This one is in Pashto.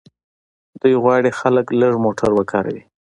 دوی غواړي خلک لږ موټر وکاروي.